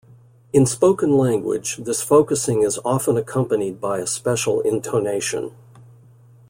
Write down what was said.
In spoken language, this focusing is often accompanied by a special intonation.